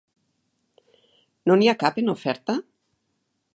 No n'hi ha cap en oferta?